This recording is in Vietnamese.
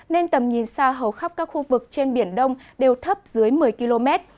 nên tầm nhìn xa hầu khắp các khu vực trên biển đông đều thấp dưới một mươi km